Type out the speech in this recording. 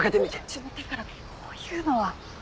ちょだからこういうのは。